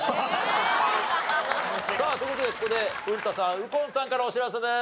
さあという事でここで古田さん右近さんからお知らせです。